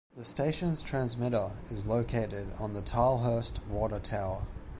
The station's transmitter is located on the Tilehurst Water Tower.